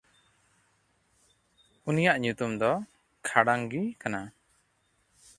ᱩᱱᱤᱭᱟᱜ ᱧᱩᱛᱩᱢ ᱫᱚ ᱠᱷᱟᱰᱟᱝᱭ ᱠᱟᱱᱟ᱾